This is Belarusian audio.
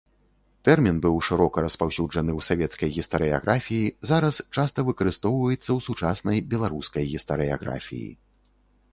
Тэрмін быў шырока распаўсюджаны ў савецкай гістарыяграфіі, зараз часта выкарыстоўваецца ў сучаснай беларускай гістарыяграфіі.